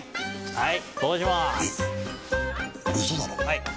・はい！